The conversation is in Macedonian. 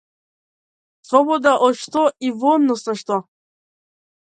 Слобода од што и во однос на што?